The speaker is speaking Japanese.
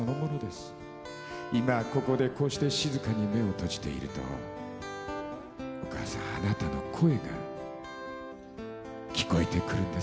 今ここでこうして静かに目を閉じているとお母さんあなたの声が聞こえてくるんです。